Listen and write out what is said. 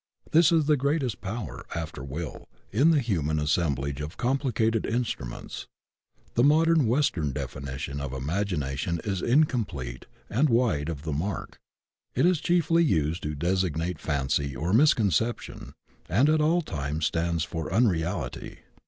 It is the greatest power, after Will, in the human as semblage of complicated instruments. The modem Western definition of Imagination is incomplete and wide of the mark. It is chiefly used to designate fancy or misconception and at all times stands for un reality.